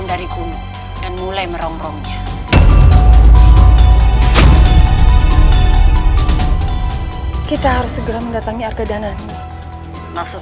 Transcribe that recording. kau yang ngesenang dulu